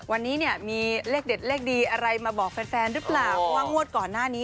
อะไรมาบอกแฟนรึเปล่าว่างวัดก่อนหน้านี้